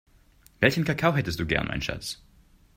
Welchen Kakao hättest du gern, mein Schatz?